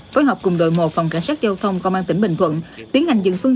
phối hợp cùng đội một phòng cảnh sát giao thông công an tỉnh bình thuận tiến hành dừng phương